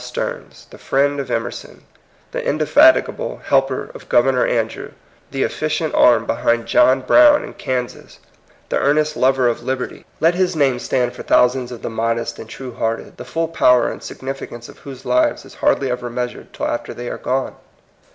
Stearns, the friend of Emerson, the indefatigable helper of Governor An drew, the eflScient arm behind John Brown in Kansas, the earnest lover of liberty. 106 THE COMING PEOPLE. Let his name stand for thousands of the modest and true hearted, the full power and significance of whose lives is hardly ever measured till after they are gone.